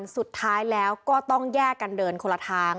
สุดท้ายแล้วก็ต้องแยกกันเดินคนละทาง